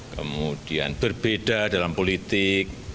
kemudian berbeda dalam politik